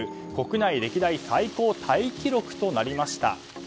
国内歴代最高タイ記録となりました。